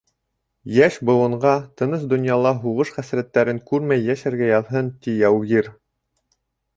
Йәш быуынға тыныс донъяла, һуғыш хәсрәттәрен күрмәй йәшәргә яҙһын, ти яугир.